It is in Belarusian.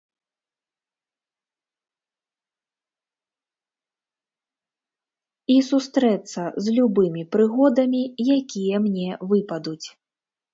І сустрэцца з любымі прыгодамі, якія мне выпадуць.